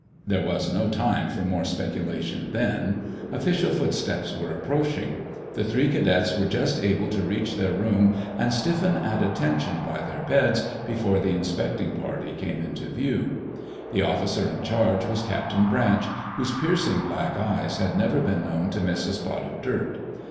There was no time for more speculation then. Official footsteps were approaching. The three cadets were just able to reach their room and stiffen at attention by their beds before the inspecting party came in view. The officer in charge was Captain Branch, whose piercing black eyes had never been known to miss a spot of dirt.